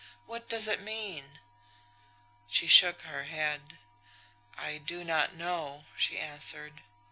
What does it mean?" She shook her head. "I do not know," she answered.